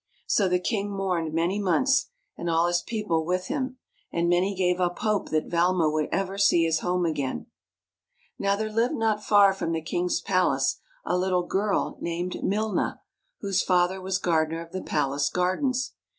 So the king mourned many months, and all his people with him; and many gave up hope that Valma would ever see his home again. Now there lived not far from the king's palace a little girl named Milna, whose father was gar dener of the palace gardens.